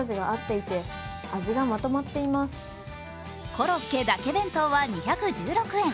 コロッケだけ弁当は２１６円。